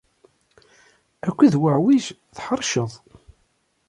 Akked wuɛwij, tḥeṛceḍ.